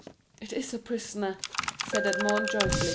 "It is a prisoner," said Edmond joyfully.